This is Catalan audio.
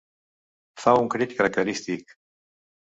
Fa un crit característic.